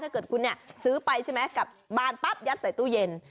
ถ้าเกิดคุณเนี่ยซื้อไปใช่ไหมกลับบานปั๊บยัดใส่ตู้เย็น